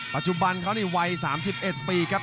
ปัจจุบันเขานี่วัย๓๑ปีครับ